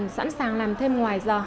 sẵn sàng làm thêm ngoài giờ